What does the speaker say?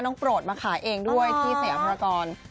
น้องโปรดมาขายเองด้วยที่เสื้อหัวปรากร